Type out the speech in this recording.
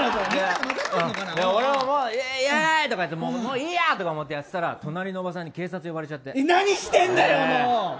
俺もイエーイ！とかってもういいやとか思ってやってたら隣のおばさんに警察呼ばれちゃって。